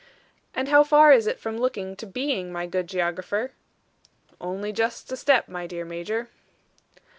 "And how far is it from looking to being, my good geographer?" "Only just a step, my dear Major."